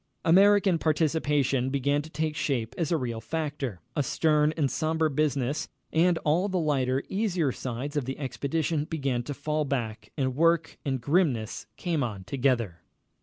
] American participation began to take shape as a real factor, a stern and sombre business, and all the lighter, easier sides of the expedition began to fall back, and work and grimness came on together.